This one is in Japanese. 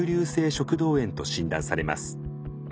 食道炎と診断されます。